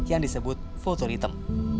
yang disebut fotoritem